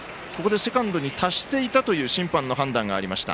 セカンドに達していたという審判の判断がありました。